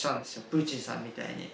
プーチンさんみたいに。